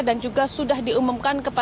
dan juga sudah diumumkan untuk penyelam